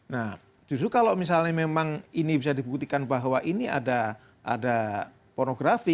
nah justru kalau misalnya memang ini bisa dibuktikan bahwa ini ada pornografi